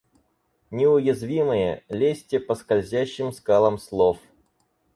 Неуязвимые, лезьте по скользящим скалам слов.